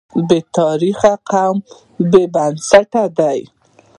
بې تاریخه قوم بې بنسټه دی.